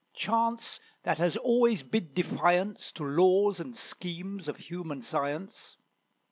Chance that has always bid defiance To laws and schemes of human science.